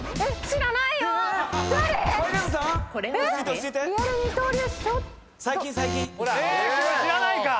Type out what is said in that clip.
知らないか！